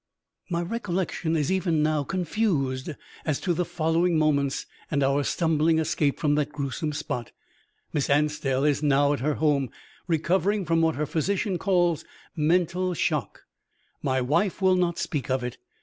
My recollection is even now confused as to the following moments and our stumbling escape from that gruesome spot. Miss Anstell is now at her home, recovering from what her physician calls mental shock. My wife will not speak of it.